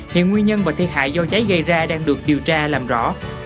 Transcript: hiện nguyên nhân và thiệt hại do cháy gây ra đang được điều tra làm rõ